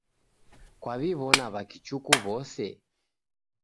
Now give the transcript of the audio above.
Kwaw'iw'ona w'akichuku w'ose?